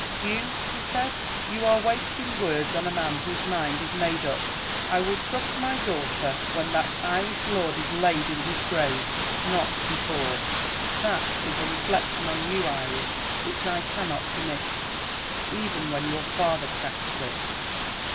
'Hugh,' he said, 'you are wasting words on a man whose mind is made up. I will trust my daughter when that Irish lord is laid in his grave not before.' That is a reflection on you, Iris, which I cannot permit, even when your father casts it.